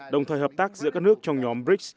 đồng thời hợp tác giữa các nước trong nhóm brics